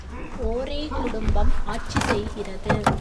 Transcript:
ஒரே குடும்பம் ஆட்சி செய்கிறது.